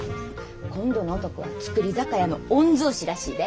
今度の男は造り酒屋の御曹子らしいで。